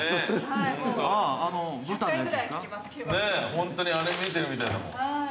ホントにあれ見てるみたいだもん。